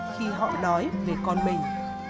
khi họ đói về con mình